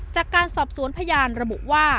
จากการสอบสวนพยานระบุว่า